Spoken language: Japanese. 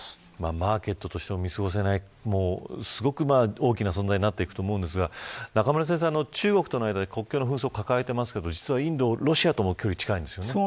マーケットとしても見過ごせないすごく大きな存在になっていくと思いますが中村先生、中国との間で国境の紛争を抱えていますがロシアとの距離が近いんですよね。